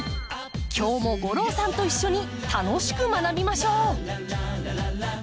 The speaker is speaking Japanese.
今日も吾郎さんと一緒に楽しく学びましょう！